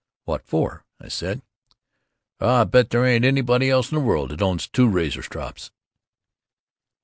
"What for?" I said. "Oh I bet there ain't anybody else in the world that owns two razor strops!"